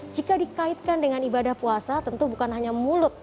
jika dikaitkan dengan ibadah puasa tentu bukan hanya mulut